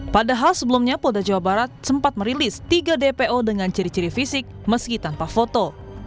padahal sebelumnya polda jawa barat sempat merilis tiga dpo dengan ciri ciri fisik meski tanpa foto